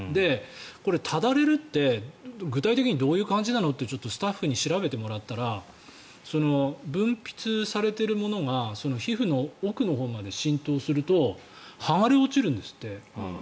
これ、ただれるって具体的にどういう感じなの？ってちょっとスタッフに調べてもらったら分泌されているものが皮膚の奥のほうまで浸透すると剥がれ落ちるんですって。